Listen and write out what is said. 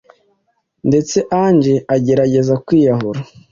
ndetse Ange agerageza kwiyahura